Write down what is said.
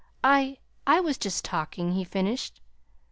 "I I was just talking," he finished.